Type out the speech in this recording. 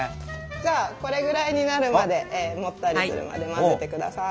じゃあこれぐらいになるまでもったりするまで混ぜてください。